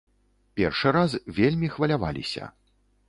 Першы раз вельмі хваляваліся.